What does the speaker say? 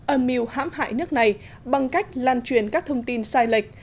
âm mưu hãm hại nước này bằng cách lan truyền các thông tin sai lệch